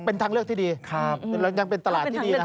เป็นทางเลือกที่ดียังเป็นตลาดที่ดีนะ